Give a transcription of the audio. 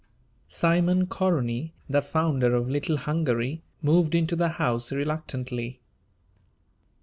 Simon Koronyi, the founder of "Little Hungary," moved into the house reluctantly.